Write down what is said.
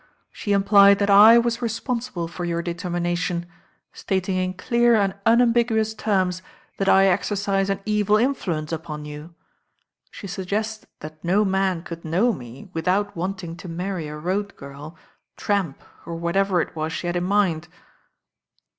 She implied that I was responsible for your de'termina tion, stating in clear and unambiguous terms that I exercise an evil influence upon you. She suggested that no man could know me without wanting to marry a road g^rl, tramp or whatever it was she had in mind."